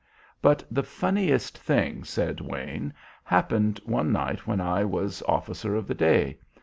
"But the funniest thing," said Wayne, "happened one night when I was officer of the day.